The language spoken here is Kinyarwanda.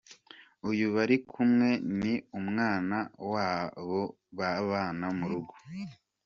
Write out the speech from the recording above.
Uyu bari kumwe ni umwana wabo babana mu rugo.